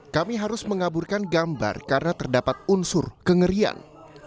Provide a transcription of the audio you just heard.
kami harus mengaburkan gambar karena terdapat unsur kengerian